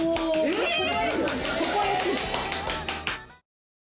えっ！